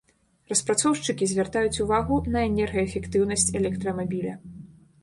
Распрацоўшчыкі звяртаюць увагу на энергаэфектыўнасць электрамабіля.